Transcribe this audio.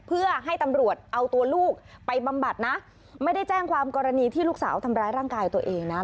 เพื่อให้ตำรวจเอาตัวลูกไปบำบัดนะไม่ได้แจ้งความกรณีที่ลูกสาวทำร้ายร่างกายตัวเองนะ